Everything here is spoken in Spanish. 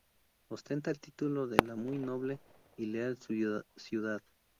Ostenta el título de La Muy Noble y Leal Ciudad.